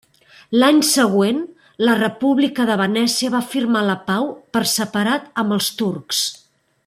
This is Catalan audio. L'any següent, la República de Venècia va firmar la pau per separat amb els turcs.